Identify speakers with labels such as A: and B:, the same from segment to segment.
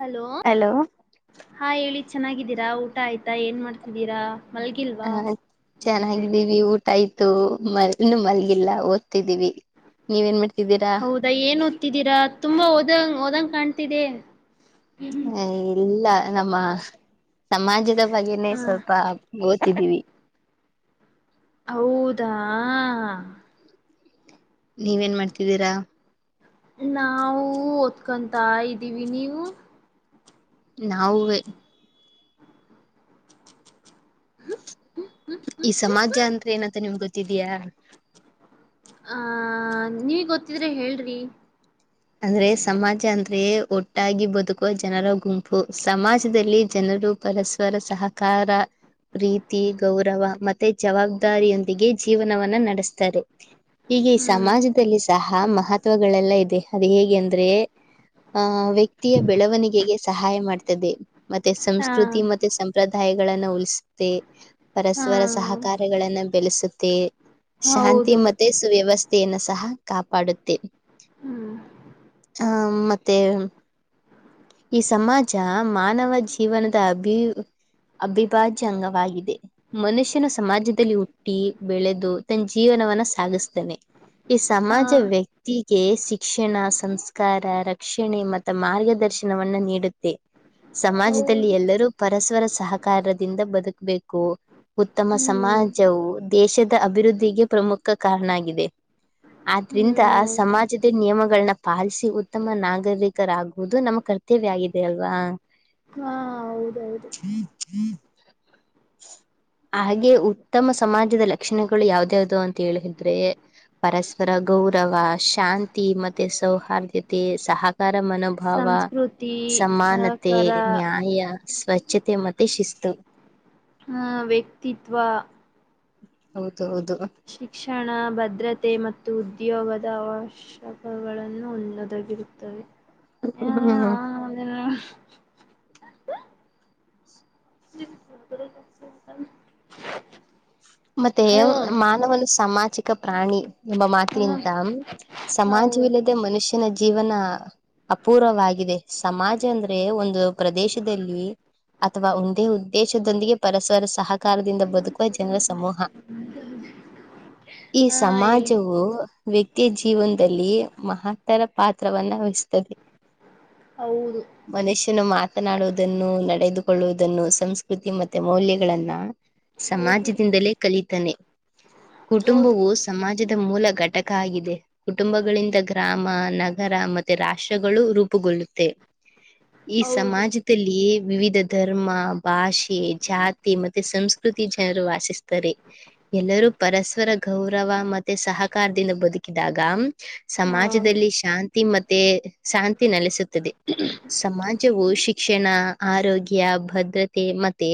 A: Hello ಹಾ ಹೇಳ. ಚೆನ್ನಾಗಿದ್ದೀರ ಊ ಆಯ್ತು.
B: ಹ ಚೆನ್ನಾಗಿದ್ದೀವಿ ಊಟ ಆಯ್ತು ಮ ಮಲ್. ಇಲ್ಲ ಓದ್ತಿದ್ದೀವಿ. ನೀವೇನ್ ಮಾಡ್ತಿದ್ದೀರಾ.
A: ಹತಿದ್ದೀರಾ ತುಂಬಾ ಓದಂಗ ಹಓದಂಗ ಕಾಣ್ತಿದೆ
B: ಹ ಇಲ್ಲ ನಮ್ಮ ಸಮಾಜದ ಬಗ್ಗೆನೆೇ
A: ಹ
B: ಸ್ವಲ್ಪ ಓತಿದ್ದೀವಿ.
A: ಹೌದಾ.
B: ನೀವ ೇನ್ ಮಾಡ್ತಿದ್ದೀರಾ.
A: ನಾವು ಒದ್ಕೊಂತ ಇದ್ದೀವಿ ನೀವು.
B: ನಾವುೇ. ಈ ಸಮಾಜ ಅಂದ್ರೆ ಏನಂತ ನಿಮ್ಗೊ ಇದಿದಯಾ
A: ಆಹ ನೀವ ಗೊತ್ತಿದ್ರೆ ಹೇಳ್ರಿ
B: ಅಂದ್ರೆ ಸಮಾಜ ಅಂದ್ರೆೇ ಒಟ್ಟಾಗಿ ಬದುಕುವ ಜನರ ಗುಂಪು ಸಮಾಜದಲ್ಲಿ ಜನರು ಪರಸ್ಪರ ಸಹಕಾರ ಪ್ರೀತಿ ಗೌರವ ಮತ್ತೆ ಜವಾಬ್ದಾರಿಯೊಂದಿಗೆ ಜೀವನವನ್ನ ನಡೆಸ್ತಾರೆ ಹೀಗೆ ಈ
A: ಹ್ಮ್
B: ಸಮಾಜದಲ್ಲಿ ಸಹ ಆಹ ಮಹತ್ವಗಳೆಲ್ಲ ಇದೆ. ಅದ ಹೇಗೆ ಅಂದ್ರೆ. ಆ ವ್ಯಕ್ತಿಯ ಬೆಳವಣಿಗೆಗೆ ಸಹಾಯ ಮಾಡ್ತಾರೆ. ತದೆ. ಮತ್ತೆ
A: ಹಾ
B: ಸಂಸ್ಕೃತಿ ಮತ್ತೆ ಸಂಪ್ರದಾಯ. ಗಳನ್ನು ಉಲ್ಸ.
A: ಹಾ
B: ಪರಸ್ಪರ ಸಹಕಾರಗಳನ್ನ ಬೆಳೆಸುತ್ತ. ಮತ್ತು. ಶಾಂತಿ
A: ಹೌದು
B: ಮತ್ತೆ ಸುವ್ಯವಸ್ಥೆ. ತನ ಸಹ ಕಾಪಾಡುತ್ತೆ
A: ಹ್ಮ್
B: ಹ್ಮ ಮತ್ತೆ ಈ ಸಮಾಜ ಮಾನವ ಜೀವನದ ಅಭಿ ಅವಿಭಾಜ್ಯ ಅಂಗವಾಗಿದೆ ಮನುಷ್ಯನು ಸಮಾಜದಲ್ಲಿ ಹುಟ್ಟಿ ಬೆಳೆದು ತನ್ನ ಜೀವನವನ್ನ ಸಾಗಿಸ್ತವೆ ಈ
A: ಹಾ
B: ಸಮಾಜ ವ್ಯಕ್ತಿಗೆ ಶಿಕ್ಷಣ ಸಂಸ್ಕಾರ ರಕ್ಷಣೆ ಮತ್ತ ಮಾರ್ಗದರ್ಶ ದರ್ಶವನ್ನ ನೀಡುತ್ತೆ ಸಮಾಜದಲ್ಲಿ
A: ಹೌದು
B: ಎಲ್ಲರೂ ಪರಸ್ ರ ಸಹಕಾರದಿಂದ ಬದುಕಬೇಕು ಉತ್ತಮ
A: ಹ್ಮ್
B: ಸಮಾಜವು ದೇಶದ ಅಭಿವೃದ್ಧಿಗೆ ಪ್ರಮುಖ ಕಾರಣ ಆಗಿದೆ ಆದ್ರಿಂದ
A: ಹ್ಮ್ ಹೌದು
B: ಸಮಾಜದ ನಿಯಮಗಳನ್ನ ಪಾಲ್ಸಿ ಉತ್ತಮ ನಾಗರಿಕರಾಗುವುದು ನಮ ಕರ್ತವ್ಯ ಆಗಿದೆ ಅಲ್ವಾ
A: ಹಾ ಹೌದೌದು
B: ಹಾಗೆ ಉತ್ತಮ ಸಮಾಜದ ಲಕ್ಷಣಗಳು ಯಾವ್ದ್ಯಾವ್ದು ಅಂತ ಹೇಳ ಹೇಳಿದ್ರೆ ಪರಸ್ಪರ ಗೌರವ ಶಾಂತಿ ಮತ್ತೆ ಸೌಹಾರ್ದತೆ ಸಹ ಕರ ಮನೋಭಾವ
A: ಸಂಸ್ಕೃತಿ
B: ಸಮಾನತೆ
A: ಸಹಕಾರ
B: ನ್ಯಾಯ ಸ್ವಚ್ಛತೆ ಮತ್ತೆ ಶಿಸ್ತು
A: ಹ ವ್ಯಕ್ತಿತ್ವ
B: ಹೌದು ಹೌದು
A: ಶಿಕ್ಷಣ ಭದ್ರತೆ ಮತ್ತು ಉದ ಉದ್ಯೋಗದ ಅವಶ್ಯಕಗಳನ್ನುೊದಗಿರುತ್ತವೆ
B: ಹಾ
A: ಹ್ಮ
B: ಮತ್ತೆ ಮಾನವನ ಸಾಮಾಜಿಕ ಪ್ರಾಣಿ ಎಂಬ ಮಾತಂತ
A: ಹೌದು
B: ಸಮಾಜವಿಲ್ಲದೆ ಮನುಷ್ಯ ಜೀವನ ಅಪೂರ್ವವಾಗಿದೆ ಸಮಾಜ ಅಂದ್ರೆ ಒಂದು ಪ್ರದೇಶದಲ್ಲಿ ಅಥವಾ ಒಂದೇ ಉದ್ದೇಶದೊಂದಿಗೆ ಪರಸ್ಪರ ಸಹಕಾರದಿಂದ ಬದುಕು ಸಮೂಹ ಈ
A: ಹಾ ಹೇಳಿ
B: ಸಮಾಜವು ವ್ಯಕ್ತಿ ಜೀವನ್ ಮಹತ್ತರ ಪಾತ್ರವನ್ನ ವಹಿಸ್ತದೆ
A: ಹೌದು
B: ಮನುಷ್ಯನು ಮಾತನಾಡುವುದನ್ನು ನಡೆದು ಕೊಳ್ಳುವುದನ್ನು ಸಂಸ್ಕತಿ ಮತ್ತೆ ಮೌಲ್ಯಗಳನ್ನ
A: ಹೌದು
B: ಸಮಾಜ
A: ರೀ
B: ಲೇ ಕಲಿತಾನೆ
A: ಹೌದು
B: ಕುಟುಂಬವು ಸಮಾ ರಾಜ್ಯದ ಮೂಲ ಘಟಕ ಆಗಿದೆ ಕುಟುಂಬಗಳಿಂದ ಗ್ರಾಮ, ನಗರ ಮತ್ತೆ ರಾಷ್ಟ್ರಗಳು ರೂಪುಗೊಳ್ಳುತ್ತೆ. ಈ
A: ಹೌದು
B: ಸಮಾಜದಲ್ಲಿ ವಿವಿಧ ಧರ್ಮ ಭಾಷೆ ಜಾತಿ ಮತ್ತೆ ಸಂಸ್ಕೃತಿ ಜರ ಎಲ್ಲರೂ ಪರಸ್ಪರ ಗೌರವ ಮತ್ತೆ ಸಹಕಾರದಿಂದ ಬದುಕಿದಾಗ
A: ಹಾ
B: ಸಮಾಜದಲ್ಲಿ ಶಾಂ ತಿಮ್ಮತ್ತೆ ಶಾಂತಿನೆಲ್ಲ ಸುತ್ತ ಸಮಾಜ ವೋಷಿಕ ಶಿಕ್ಷಣ ಆರೋಗ್ಯ ಭದ್ಧತೆ ಮತ್ತೆ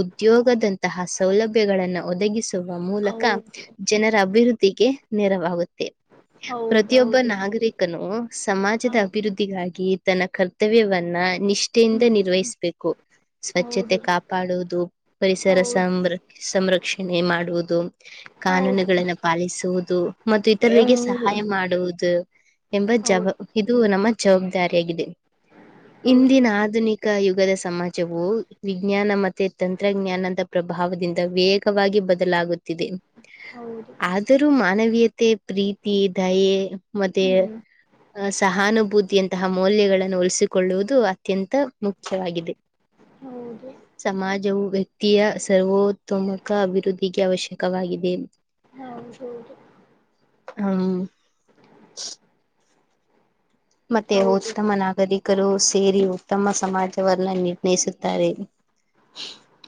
B: ಉದ್ಯೋಗದಂತಹ ಸೌಲ ಪ ಗಳನ್ನು ಒದಗಿಸಿ ಮೂಲಕ
A: ಹೌದು
B: ಜನರ ಅಭಿವೃದ್ಧಿಗೆ ನೆರವಾಗುತ್ತೆ ಪ್ರತಿಯೊಬ್ಬ
A: ಹೌದೌದು ರೀ
B: ನಾಗರಿಕನು
A: ಹಾ
B: ಸಮಾಜದ ಅಭಿವೃದ್ಧಿಗಾಗಿ ತನ್ನ ಕರ್ತವ್ಯವನ್ನ ನಿಷ್ಠೆಯಿಂದ
A: ಹ್ಮ್
B: ನಿರ್ವಹಿಸ್ಬೇಕು ಸ್ವಚ್ಛತೆ
A: ಹೌದು ರೀ
B: ಕಾಪಾಡುವುದು ಪರಿಸರ
A: ಹೌದು
B: ಸಮ್ರ ಸಂರಕ್ಷಣೆ ಮಾಡುವುದು
A: ಹೌದು
B: ಕಾನೂನುಗಳನ್ನು ಪಾಲಿಸುವುದು ಮತ್ತು ಇತರರಿಗೆ
A: ಹೌದು
B: ಸಹಾಯ ಮಾಡುವುದು ಎಂಬ ಜವಾ
A: ಹೌದು
B: ಇದು ನಮ್ಮ ಜವಾಬ್ದಾರಿಯಾಗಿದೆ
A: ಹೌದು
B: ಇಂದಿನ ಆಧುನಿಕ ಯು ಯಗದ ಸಮಾಜವು ವಿಜ್ಞಾನ ಮ ತಂತ್ರಜ್ಞಾನದ ಪ್ರಭಾವದಿಂದ ವೇಗವಾಗಿ ಬದಲಾಗುತ ತಿದೆ
A: ಹೌದು
B: ಆದರೂ ಮಾನವೀಯತೆ ಮ ಪ್ರೀತಿ ದಯೆ ಮತ್ತೆ
A: ಹ್ಮ್
B: ಸಹಾನುಭೂತಿ ತ್ಯಂತಹ ಮೌಲ್ಯಗಳನ್ನು ಉಲಿಸಿಕೊಳ್ಳುವುದು ಅತ್ಯಂತ ಮುಖ್ಯವಾಗಿದೆ
A: ಹೌದು
B: ಸಮಾಜವು ವ್ಯ ತಿಯ ಸರ್ವೋ ಉತ್ತಮಖ ಅಭಿವೃದ್ಧಿಗೆ ಅವಶ್ಯಕವಾಗಿದೆ
A: ಹೌದೌದು
B: ಹ್ಮ ಮತ್ತೆ
A: ಹೌದು
B: ಹೋದ್ತಮ್ಮನ್ ನಾಗರಿ ರು ಸೇರಿ ಉತ್ತಮ ಸಮಾಜವನ್ನ ನೀ ಸ್ನೇಸುತ್ತಾರೆ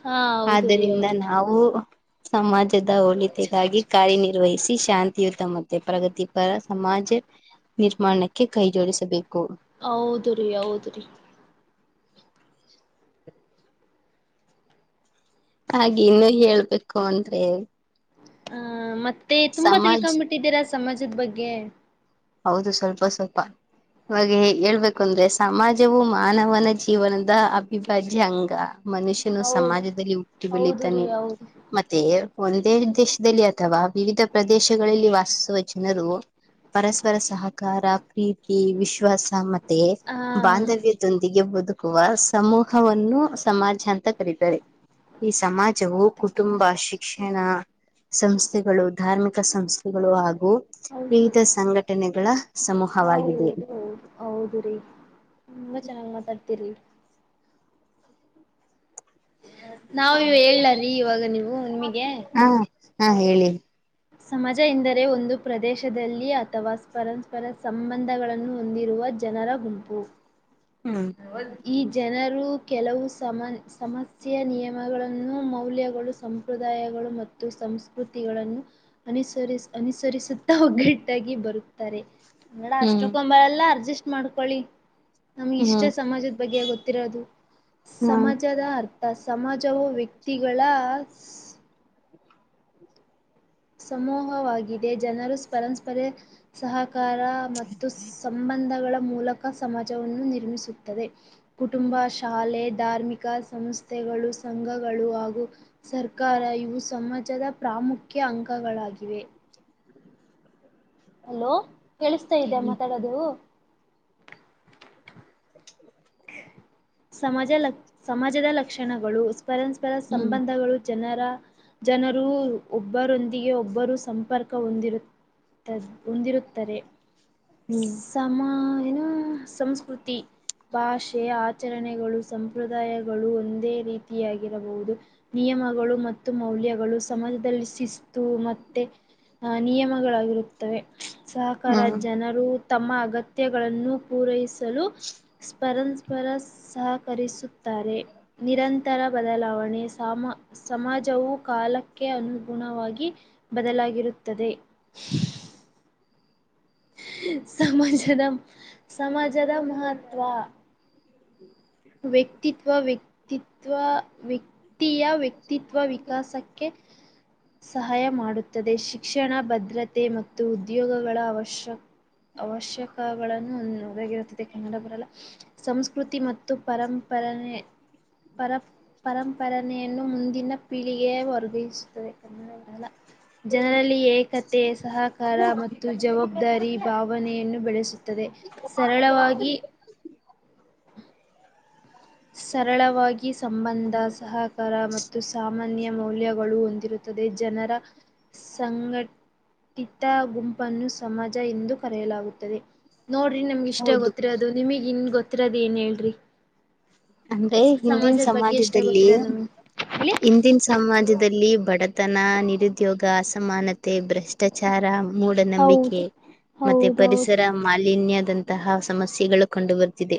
A: ಹಾ ಹೌದು ರೀ
B: ಆದ್ದರಿಂದ
A: ಹೌದು
B: ನಾವು ಸಮಾಜ ಹೋಳಿಕೆಗಾಗಿ ಕಾರ್ಯನಿರ್ವಹಿಸಿ ಶಾಂತಿಯುತಮ ಪ್ರಗತಿ ಪರ ಸಮಾಜ ನಿರ್ಮಾಣಕ್ಕೆ ಕೈ ಜೋಡಿಸಬೇಕು
A: ಹೌದ ರರಿ ಹೌದ್ರಿ
B: ಹಾಗೆ ಇನ್ನು ಹೇಳ್ಬೇಕು ಅಂದ್ರೆ
A: ಹ ಮತ್ತ ತುಂಬಾ
B: ಸಮಾಜ್
A: ತಿಳ್ಕ್ಂಬಿಟ್ಟಿದ್ದೀರ ಸಮಾಜದ ಬಗ್ಗೆ
B: ಹೌದು ಸ್ವಲ್ಪ ಸ್ವಲ್ಪ ಇವಾಗ ಹೇಳ್ಬೇಕು ಅಂದ್ರೆ ಸಮಾಜವು ಮಾನವನ ಜೀವನದ ಅವಭಿಭಾಜ್ಯ ಅಂಗ ಮನುಷ್ಯನು
A: ಹೌದು
B: ಸಮಾಜದಲ್ಲಿ ಹುಟ್ಟಿ
A: ಹೌದು ರೀ
B: ಬೆಳಿತಾನೆ
A: ಹೌದು
B: ಮತ್ತೆ ಒಂದೇ ದೇಶದಲ್ಲಿ ಅಥವಾ ವಿವಿಧ ಪ್ರದೇಶಗಳಲ್ಲಿ ವಾಸಿಸುವ ಜನರು ಪರಸ್ಪರ ಸಹಕಾರ ಪ್ರೀತಿ ವಿಶ್ವಾಸ ಮತ್ತೆ
A: ಹಾ
B: ಬಾಂಧವ್ಯದೊಂದಿಗೆ ಬಹುದು ಹುವ ಸಮೂಹವನ್ನು ಸಮಾಜ ಅಂತ ಕರಾರೆ ಈ ಸಮಾಜವು ಕುಟುಂಬ ಶಿಕ್ಷಣ ಸಂಸ್ಥೆಗಳು ಧಾರ್ಮಿಕ ಸಂಸ್ಥೆಗಳು ಹಾಗ ಹ
A: ಹೌದು ಹೌದು ಹೌದು ರೀ ತುಂಬಾ ಚೆನ್ನಾಗಿ್ ಮಾತಾಡ್ತಿರಿ ನಾವ ಇವ ಹೇಳ್ಲಾರಿೀ ಇವಾಗ ನೀವು ನಿಮಗೆ
B: ಹಾ ಹಾ ಹೇಳಿ
A: ಸಮಾಜ ಎಂದರೆ ಒಂದು ಪ್ರದೇಶದಲ್ಲಿ ಅಥವಾ ಪರಂಸ್ಪರ ಸಂಬಂಧಗಳನ್ನು ಹೊಂದಿರುವ ಜನರ ಗುಂಪು
B: ಹ್ಮ್
A: ಈ ಜನರು ಕೆಲವು ಸಮನ್ ಸಮಸ್ಯೆಯ ನಿಯಮಗಳನ್ನು ಮೌಲ್ಯಗಳು ಸಂಪ್ರದಾಯಗಳು ಮತ್ತು ಸಂಸ್ಕೃತಿಗಳನ್ನು ಅನುಸರಿಸ ಅನುಸರಿಸುತ್ತಾ ಒಗ್ಗಟ್ಟಾಗಿ ಬರುತ್ತಾರೆ ಅಡ
B: ಹ್ಮ್
A: ಅಷ್ಟೊಕ್ಕೊಂಬಳ ಎಲ್ಲ ಅರ್ಜ ಇಷ್ಟ ಮಾಡ್ಕೊಳ್ಳಿ ನಮ್ಗೆ ಇಷ್ಟೇ
B: ಹ್ಮ್
A: ಸಮಾಜದ ಬಗ್ಗೆ ಗೊತ್ ತಿರೋದು
B: ಹ್ಮ್
A: ಸಮಾಜದ ಅರ್ಥ ಸಮಾಜವು ವ್ಯಕ್ತಿಗಳ, ಸಮೂಹವಾಗಿದೆ ಜನರು ಪರಂಸ್ಪರೆ ಸಹಕಾರ ಮತ್ತು ಸಂಬಂಧಗಳ ಮೂಲಕ ಸಮಾಜವನ್ನು ನಿರ್ಮಿಸುತ್ತದೆ ಕುಟುಂಬ ಶಾಲೆ ಧಾರ್ಮಿಕ ಸಂಸ್ಥೆಗಳು ಸಂಘಗಳು ಹಾಗೂ ಸರ್ಕಾರ ಇವು ಸಮಾಜದ. ರಾಮು. ಮುಖ್ಯ ಅಂಕಗಳಾಗಿವೆ. ಅಲೋ ಕೇಳಿಸ್ತಾ ಇದ್ಯಾ ಮಾತಾಡೋದು.
B: [inaudible]
A: ಸಮಾಜ ಲ ಸಮಾಜದ ಲಕ್ಷಣಗಳು ಪರಸ್ಪರ
B: ಹ್ಮ್ ಹ್ಮ್
A: ಸಂಬಂಧಗಳು ಜನ ಜನರು ಒಬ್ಬರೊಂದಿಗೆ ಒಬ್ಬರು ಸಂಪರ್ಕ ಹೊಂದಿರು ಹೊಂದಿರುತ್ತಾರೆ.
B: ಹ್ಮ್
A: ಸಮ ಯ್ ಇನು ಸಂಸ್ಕೃತಿ ಭಾಷೆ ಆ. ಆಚರಣೆಗಳು ಸಂಪ್ರದಾಯಗಳು ಒಂದೇ ರೀತಿಯಾಗಿರಬಹುದು ನಿಯಮಗಳು ಮತ್ತು ಮೌಲ್ಯಗಳು ಸಮಾಜದಲ್ಲಿ ಶಿಸ್ತು ಮತ್ತೆ ಅಹ ನಿಯಮಗಳಾಗಿರುತ್ತವೆ. ಸಹಕಾರ
B: ಹ್ಮ್
A: ಜನರು. ತಮ್ಮ ಅಗತ್ಯಗಳನ್ನು ಪೂರೈಸ್ ಲೂ ಸ್ಪರನ್ ಪರಸ್ ಸಹಕರಿಸು. ತಾರೆ ನಿರಂತರ ಬದಲಾವಣೆ. ಸಮ ಸಮಾಜವು. ಕಾಲಕ್ಕೆ ಅನುಗುಣವಾಗಿ. ಗೀ ಬದಲಾಗಿರುತ್ತದೆ. ಸಮಜದ ಸಮಜದ ಮಹತ್ವ ವ್ಯಕ್ತಿತ್ವ ವ್ಯಕ್ತಿತ್ವ ವ್ಯಕ್. ವ್ಯಕ್ತಿಯ ವ್ಯಕ್ತಿತ್ವ ವಿಕಾಸಕ್ಕೆ. ಸಹಾಯ ಮಾಡುತ್ತದೆ ಶಿಕ್ಷಣ ಭದ್ರತೆ ಮತ್ತು ಉದ್ಯೋಗಗಳ ಅವಶ್ಯ ಅವಶ್ಯಕಗಳನ್ನು ಒಗೆತ್ತದೆ ಕನ್ನಡ ಪರ ಸಂಸ್ಕೃತಿ ಮತ್ತು ಮತ್ತು ಪರಂಪರನೆ ಪರಂಪಾರನೆಯನ್ನು ಮುಂದಿನ ಪೀಳಿಗೆ ವರ್ಗಾಯಿಸುತ್ತದೆ ಕನ್ನಡ ಜನರಲ್ಲಿ ಏಕತೆ. ಸಹಕಾರ ಮತ್ತು ಜವಾಬ್ದಾರಿ ಭಾವನೆಯನ್ನು ಬೆಳೆಸುತ್ತದೆ ಸರಳವಾಗಿ. ಸರಳವಾಗಿ ಸಂಬಂಧ ಸಹಕಾರ ಮತ್ತು ಸಾಮಾನ್ಯ ಮೌಲ್ಯಗಳು ಹೊಂದಿರುತ್ತದೆ ಜನರ ಸಂಘಟಿತ ಗುಂಪನ್ನು ಸಮಾಜ ಎಂದು ಕರೆಯಲಾಗುತ್ತದೆ. ನೋಡ್ರಿ ನಿಮಗೆ ಇಷ್ಟೇ
B: ಹೌದು
A: ಗೊತ್ತಿರೋದು ನಿಮಗ್ ಇನ್ ಗೊತ್ತ. ಹೇಳ್ತಿರೋದು ಏನ್ ಹೇಳ್ರಿ.
B: ಅಂದ್ರೆ ಹಿಂದಿನ
A: ಸಮಾಜದ ಬಗ್ಗೆ ಇಷ್ಟ
B: ಸಮಾಜದಲ್ಲಿ.
A: ಗೊತ್ತಿರೋದು ನಮಗ್
B: ಹಿಂದಿನ ಸಮಾಜದ್ ದಲ್ಲಿ ಬಡತನ ನಿರುದ್ಯೋಗ ಅಸಮಾನತೆ ಭ್ರಷ್ಟಾಚಾರ. ಮೂಢನಂಬಿಕೆ
A: ಹೌದು
B: ಮತ್ತೆ
A: ಹೌದೌದು
B: ಪರಿಸರ ಮಾಲಿನ್ಯ ದಂತದ ಸಮಸ್ಯೆಗಳು ಕಂಡು ಬರ್ತ್ತಿದೆ.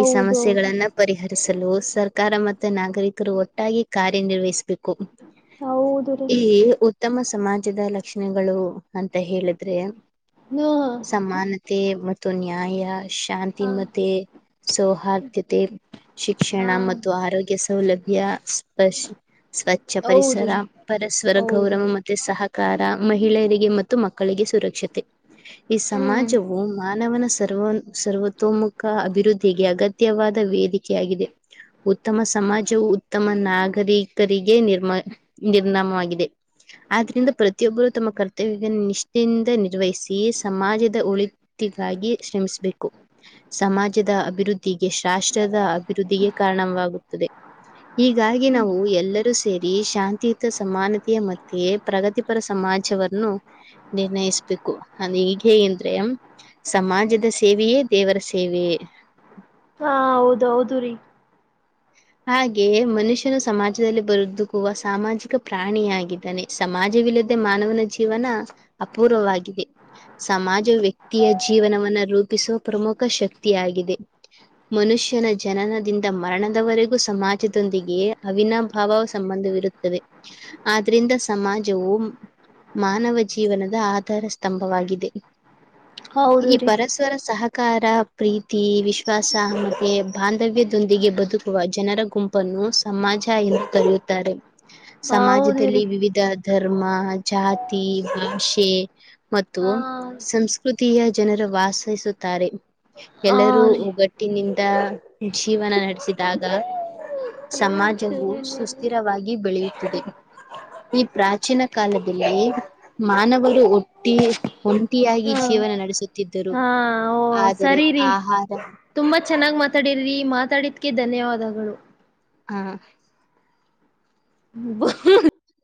B: ಈ ಸಮಸ್ಯೆಗಳನ್ನ ಪರಿಹರೀ ಸಲು ಸರ್ಕಾರ ಮತ್ತೆ ನಾಗರಿಕರು ಒಟ್ಟಾಗಿ ಕಾರ್ಯನಿರ್ವಹಿಸಬೇಕ್ ಕೂ
A: ಹೌದು ರೀ
B: ಈ ಊ ಉತ್ತಮ ಸಮಾಜದ ಲಕ್ಷಣೆಗಳು ಅಂತ ಹೇಳಿದ್ರೆ
A: ಹೌದು
B: ಸಮಾನತೆ ಮತ್ತು [unintelligible]
A: ರೀ ಹಾ
B: ಶಾಂತಿ
A: ಹಾ
B: ಮತೆ ಸೌಹಾರ್ದತೆ ಶಿಕ್ಷಣ
A: ಹಾ
B: ಮತ್ತು ಆರೋಗ್ಯ ಸೌಲಭ್ಯ ಸ್ವಚ್ಛ
A: ಹೌದು
B: ಪರಿಸರ
A: ರೀ
B: ಪರಸ್ಪರ ಗೌರವ
A: ಹೌದೌದು
B: ಮತೆ ಸಹ ಸಹಕಾರ ಮಹಿಳೆಯರಿಗೆ ಮತ್ತು ಮಕ್ಕಳಿಗೆ ಸುರಕ್ಷತೆ ಈ
A: ಹ್ಮ್
B: ಸಮಾಜವು ಮಾನವನ ಸರ್ವ ಸರ್ವತೋಮುಖ ಅಭಿವೃದ್ಧಿಗೆ ಅಗತ್ಯವಾದ ವೇದಿಕೆಯಾಗಿದೆ ಉತ್ತಮ ಸಮಾಜವು ಉತ್ತಮ ನಾಗ ನಾಗರಿಕರ ಕರಿ ನಿರ್ಮ ನಿರ್ನಾಮವಾಗಿ ಆದ್ರಿಂದ ಪ್ರತಿಯೊಬ್ಬರು ತಮ್ಮ ಕರ್ತವ್ಯ ನಿಷ್ಠೆಯಿಂದ ನಿರ್ವಹಿಸಿ ಸಮಾಜದ ಒಳತಿಗಾಗಿ ಶ್ರಮಿಸಬೇಕು ಸಮಾಜದ ಅಭಿವೃದ್ಧಿ ರಾಷ್ಟ್ರದ ಅಭಿವೃದ್ಧಿಗೆ ಕಾರಣವಾಗುತ್ತದೆ ಹೀಗಾಗಿ ನಾವು ಎಲ್ಲರೂ ಸೇರಿ ಶಾಂತಿಯುತ ಸಮಾನತೆಯ ಮತ್ತೆ ಪ್ರಗತಿಪರ ಸಮಾಜವನ್ನು ನಿರ್ಣಯ ಬೇಕು ಈಗ ಹೇಗ ಅಂದ್ರೆ ಸಮಾಜದ ಸೇವೆಯೇ ದೇವರ ಸೇವೆಯೇ
A: ಹಾ ಹೌದ ಹೌದು ರೀ
B: ಹಾಗೆ ಮನುಷ್ಯನು ಸಮಾಜದಲ್ಲಿ ಬದುಕುವ ಸಾಮಾಜಿಕ ಪ್ರಾಣಿಯಾಗಿದ್ದಾನೆ ಸಮಾಜವಿಲ್ಲದೆ ಮಾನವನ ಜೀವನ ಅಪೂರ್ವವಾಗಿದೆ ಸಮಾಜ ವ್ಯಕ್ತಿಯ ಜೀವನವವನ್ನುರು ರೂಪಿಸುವ ಪ್ರಮುಖ ಶಕ್ತಿಯಾಗಿದೆ ಮನುಷ್ಯನ ಜನನದಿಂದ ಮರಣದವರೆಗೂ ಹಾಗ ಸಮಾಜದೊಂದಿಗೆ ಅವಿನಾಭಾವ ಸಂಬಂಧವಿರುತ್ತವೆ ಆದ್ರಿಂದ ಸಮಾಜವು ಮಾನವ ಜೀವನದ ಆಧಾರ ಸ್ತಂಭವಾಗಿದೆ
A: ಹೌದು
B: ಈ
A: ರೀ
B: ಪರಸ್ಪರ ಸಹ ಕಾರ ಪ್ರೀತಿ ವಿಶ್ವಾಸ ಮತ್ತೆ ಬಾಂಧವ್ಯದೊಂದಿಗೆ ಬದುಕುವ ಜನರ ಗುಂಪನ್ನು ಸಮಾಜ ಎಂದು ಕರೆಯುತ್ತಾರೆ
A: ಹೌದು
B: ಸಮಾಜದಲ್ಲಿ
A: ರೀ
B: ವಿವಿಧ ಧರ್ಮ ಜಾತಿ ಭಾಷೆ ಮತ್ತು
A: ಹಾ
B: ಸಂಸ್ಕೃತಿ ತಿಯ ಜನರು ವಾಸಿಸುತ್ತಾರೆ
A: ಹಾ
B: ಎಲ್ಲರೂ
A: ರೀ
B: ಒಗಟ್ಟಿ ನಿ ಜೀವನ ನಡೆಸಿದಾಗ ಸಮಾಜವು ಸುಸ್ಥಿರವಾಗಿ ಬೆಳೆಯುತ್ತದೆ ಈ ಪ್ರಾಚೀನ ಕಾಲದಲ್ಲಿ ಮಾನವರು ಒಟ್ಟಿ ಒಂಟಿಯಾಗಿ ಜೀವನ ನಡೆಸುತ್ತಿದ್ದರು ಆದರೆ
A: ಸರಿರಿ
B: ಆಹಾರ
A: ತುಂಬಾ ಚೆನ್ನಾಗ್ ಮಾತಾಡಿರಿ ಮಾತಾಡಿದಕ್ಕೆ ಧನ್ಯವಾದಗಳು
B: ಹಾ
A: [unintelligible]